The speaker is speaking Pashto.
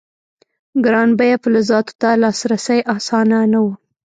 ګران بیه فلزاتو ته لاسرسی اسانه نه و.